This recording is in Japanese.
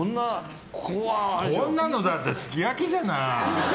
こんなのだってすき焼きじゃない。